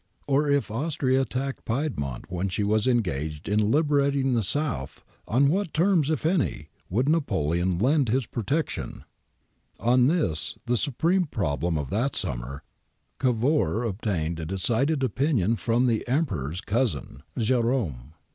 Or if Austria attacked Piedmont when she was engaged in liberating the South, on what terms, if any, would Napoleon lend his protection ? On this, the supreme problem of that summer, Cavour obtained a decided opinion from the Emperor's cousin, ' Russell MSS. Elliot, June 25. I PRINCE JEROME'S ADVICE 25 Jerome.